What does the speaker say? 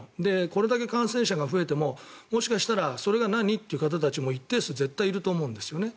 これだけ感染者が増えてももしかしたらそれが何？という方も一定数絶対いると思うんですね。